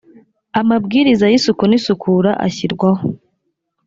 amabwiriza y isuku n isukura ashyirwaho